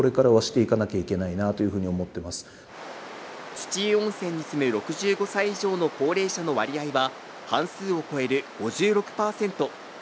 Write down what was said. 土湯温泉に住む６５歳以上の高齢者の割合は半数を超える５６％。